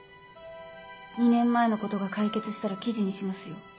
２年前のことが解決したら記事にしますよ。